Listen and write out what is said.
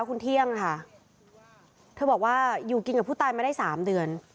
คุณเที่ยงค่ะเธอบอกว่าอยู่กินกับผู้ตายมาได้สามเดือน